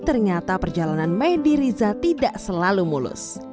ternyata perjalanan medi riza tidak selalu mulus